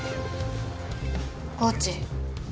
コーチ。